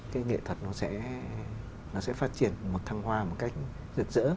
cái nghệ thuật nó sẽ phát triển một thăng hoa một cách rực rỡ